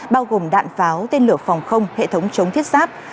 bao gồm đạn pháo tên lửa phòng không hệ thống chống thiết giáp